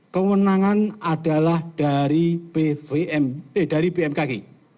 kemenangan adalah dari bpmbg dari bmkg